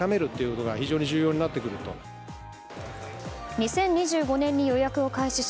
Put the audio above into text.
２０２５年に予約を開始し